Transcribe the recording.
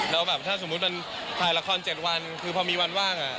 แล้วแบบถ้าสมมุติมันถ่ายละคร๗วันคือพอมีวันว่าง